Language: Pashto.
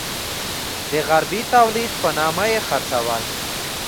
د عربي تولید په نامه یې خرڅول.